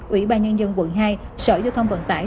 ủy ban nhân dân quận hai sở giao thông vận tải